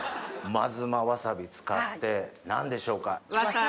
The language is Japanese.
真妻わさび使って何でしょうか？